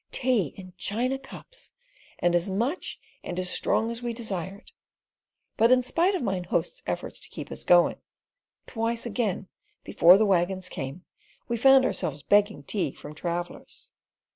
Tea in china cups! and as much and as strong as we desired. But in spite of Mine Host's efforts to keep us going, twice again, before the waggons came, we found ourselves begging tea from travellers.